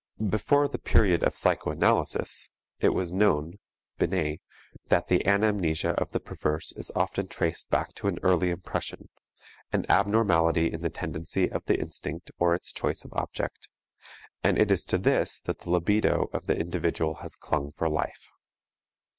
Before the period of psychoanalysis, it was known (Binet) that the anamnesia of the perverse is often traced back to an early impression an abnormality in the tendency of the instinct or its choice of object and it is to this that the libido of the individual has clung for life.